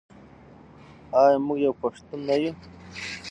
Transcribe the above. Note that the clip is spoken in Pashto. آیا موږ یو پښتون نه یو؟